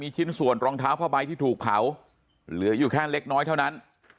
ชิ้นส่วนรองเท้าผ้าใบที่ถูกเผาเหลืออยู่แค่เล็กน้อยเท่านั้น